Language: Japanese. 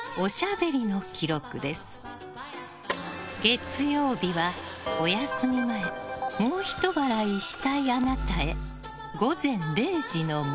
月曜日は、お休み前もうひと笑いしたいあなたへ。